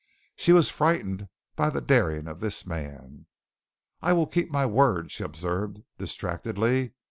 She was frightened by the daring of this man. "I will keep my word," she observed distractedly.